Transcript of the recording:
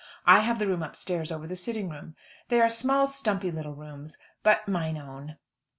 I have the room upstairs over the sitting room. They are small stumpy little rooms, "but mine own."